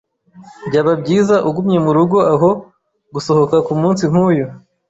Byaba byiza ugumye murugo aho gusohoka kumunsi nkuyu.